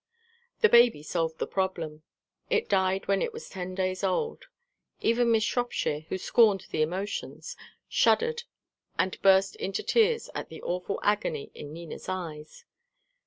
The baby solved the problem. It died when it was ten days old. Even Miss Shropshire, who scorned the emotions, shuddered and burst into tears at the awful agony in Nina's eyes.